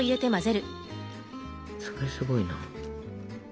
それはすごいな。